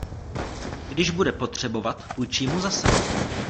Když bude potřebovat, půjčím mu zase.